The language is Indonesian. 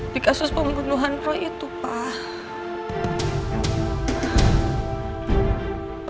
di kasus pembunuhan roy itu pak